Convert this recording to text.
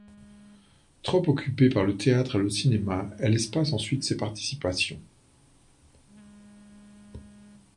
Trop occupée par le théâtre et le cinéma, elle espace ensuite ses participations.